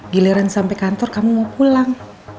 giliran sampai kantor kamu mau pulang